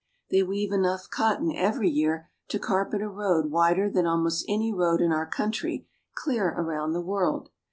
They weave enough cotton every year to carpet a road wider than almost any road in our country clear around the world.